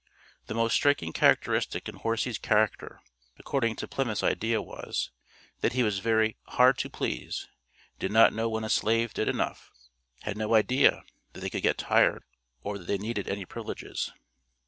The most striking characteristic in Horsey's character, according to Plymouth's idea was, that he was very "hard to please, did not know when a slave did enough, had no idea that they could get tired or that they needed any privileges."